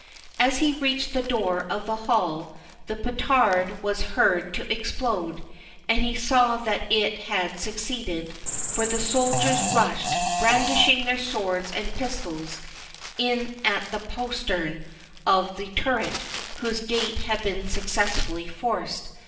As he reached the door of the hall, the petard was heard to explode, and he saw that it had succeeded; for the soldiers rushed, brandishing their swords and pistols, in at the postern of the turret, whose gate had been successfully forced.